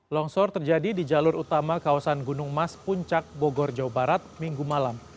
longsor terjadi di jalur utama kawasan gunung mas puncak bogor jawa barat minggu malam